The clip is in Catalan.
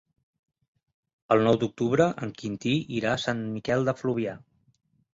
El nou d'octubre en Quintí irà a Sant Miquel de Fluvià.